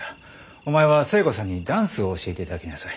お前は寿恵子さんにダンスを教えていただきなさい。